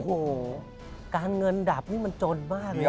โอ้โหการเงินดับนี่มันจนมากเลย